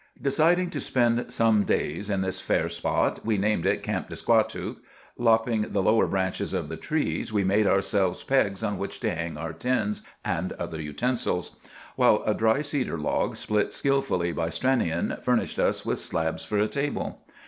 Deciding to spend some days in this fair spot, we named it Camp de Squatook. Lopping the lower branches of the trees, we made ourselves pegs on which to hang our tins and other utensils; while a dry cedar log, split skilfully by Stranion, furnished us with slabs for a table.